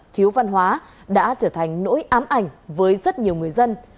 thiếu văn hóa đã trở thành nỗi ám ảnh với rất nhiều người dân